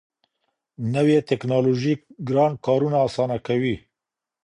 نوې ټیکنالوژي ګران کارونه اسانه کوي.